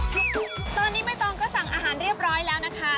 ตอนนี้ใบตองก็สั่งอาหารเรียบร้อยแล้วนะคะ